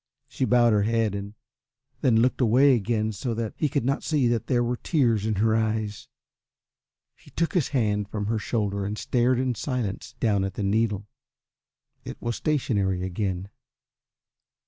She bowed her head and then looked away again so that he should not see that there were tears in her eyes. He took his hand from her shoulder and stared in silence down at the needle. It was stationary again.